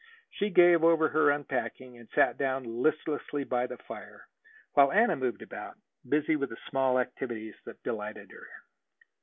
She gave over her unpacking, and sat down listlessly by the fire, while Anna moved about, busy with the small activities that delighted her.